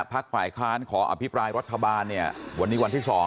พักฝ่ายค้านขออภิปรายรัฐบาลเนี่ยวันนี้วันที่๒